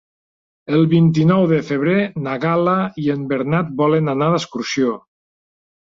El vint-i-nou de febrer na Gal·la i en Bernat volen anar d'excursió.